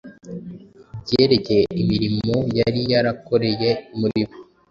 ibyerekeye imirimo yari yarakoreye muri bo,